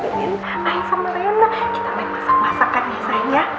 kita main masak masakannya saja